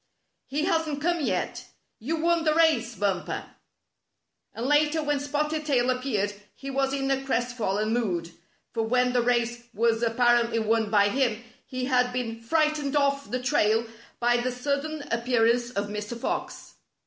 "He hasn't come yet. You won the race, Bumper I " And later, when Spotted Tail appeared, he was in a crestfallen mood, for when the race was apparently won by him he had been frightened off the trail by the sudden appearance of Mr. Fox.